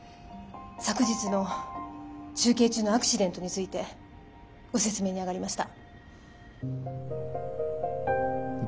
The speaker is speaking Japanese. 昨日の中継中のアクシデントについてご説明に上がりました。